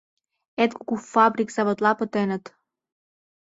Эн кугу фабрик-заводла пытеныт.